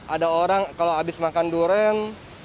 ada orang kalau habis makan durian